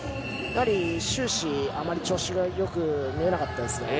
終始、調子がよく見えなかったですね。